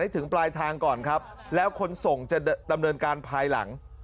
ถึงปลายทางก่อนครับแล้วคนส่งจะดำเนินการภายหลัง